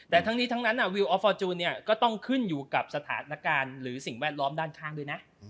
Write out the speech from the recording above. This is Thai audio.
แต่ทั้งนี้ทั้งนั้นวิวออฟฟอร์จูนเนี่ยก็ต้องขึ้นอยู่กับสถานการณ์หรือสิ่งแวดล้อมด้านข้างด้วยนะ